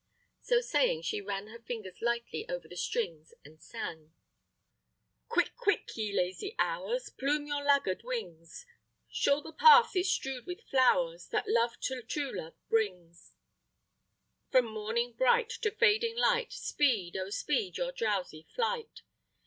So saying, she ran her fingers lightly over the strings, and sang. LADY KATRINE'S SONG. Quick, quick, ye lazy hours, Plume your laggard wings; Sure the path is strew'd with flowers That love to true love brings. From morning bright, To fading light, Speed, oh, speed, your drowsy flight!